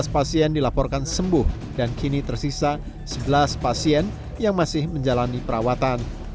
tujuh belas pasien dilaporkan sembuh dan kini tersisa sebelas pasien yang masih menjalani perawatan